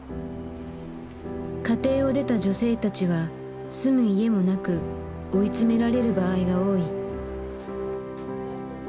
家庭を出た女性たちは住む家もなく追い詰められる場合が多い。